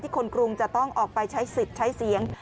คนกรุงจะต้องออกไปใช้สิทธิ์ใช้เสียง